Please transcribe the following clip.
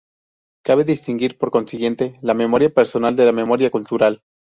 Cabe distinguir, por consiguiente, la memoria personal de la memoria cultural.